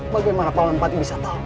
bagaimana pak paman pati bisa tahu